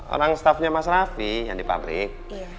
orang staffnya mas raffi yang di pabrik